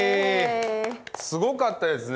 すごかったですね。